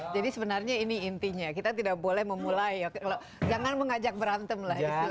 sebenarnya ini intinya kita tidak boleh memulai jangan mengajak berantem lah istilahnya